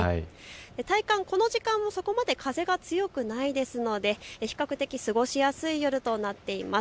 体感、この時間はそこまで風が強くないので比較的過ごしやすい夜となっています。